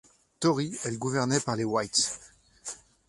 Tory, elle gouvernait par les whighs.